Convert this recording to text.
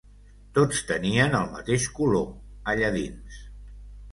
Tots tenien el mateix color, alla dins